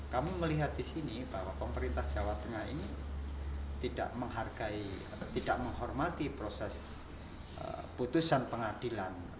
kami melihat di sini bahwa pemerintah jawa tengah ini tidak menghormati proses putusan pengadilan